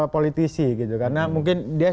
politisi gitu karena mungkin dia